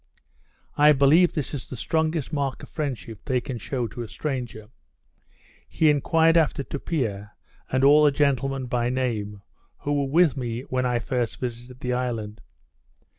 I believe this is the strongest mark of friendship they can show to a stranger. He enquired after Tupia, and all the gentlemen, by name, who were with me when I first visited the island.